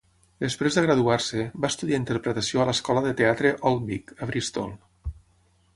Després de graduar-se, va estudiar interpretació a l'escola de teatre Old Vic, a Bristol.